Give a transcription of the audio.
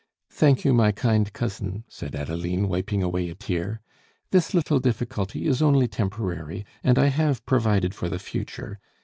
"Thank you, my kind cousin," said Adeline, wiping away a tear. "This little difficulty is only temporary, and I have provided for the future.